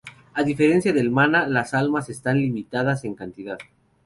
A diferencia del mana, las almas están limitadas en cantidad.